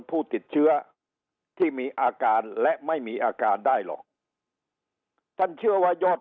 ผู้ติดเชื้อที่มีอาการและไม่มีอาการได้หรอกท่านเชื่อว่ายอด